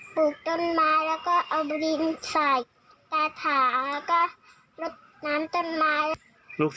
ลูกอยากให้เขาเอามาคืนของลูก